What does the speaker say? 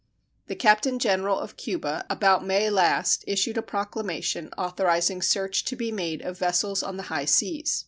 The Captain General of Cuba about May last issued a proclamation authorizing search to be made of vessels on the high seas.